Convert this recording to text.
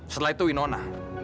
setelah itu winona